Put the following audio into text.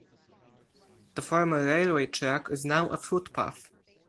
The former railway track is now a footpath.